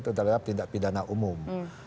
terhadap tindak pidana umum